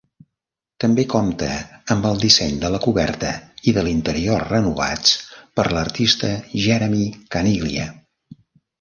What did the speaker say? També compta amb el disseny de la coberta i de l'interior renovats per l'artista Jeremy Caniglia.